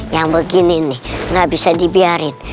yang begini nih gak bisa dibiarin